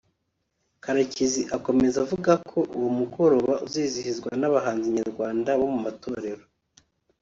Karekezi akomeza avuga ko uwo mugoroba uzizihizwa n’abahanzi Nyarwanda bo mu matorero